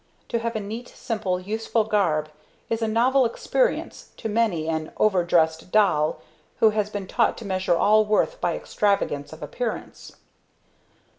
To have a neat, simple, useful garb is a novel experience to many an over dressed doll who has been taught to measure all worth by extravagance of appearance.